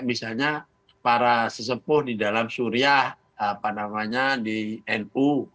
misalnya para sesepuh di dalam syria apa namanya di nu